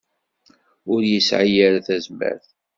Ur yesɛi ara tazmert.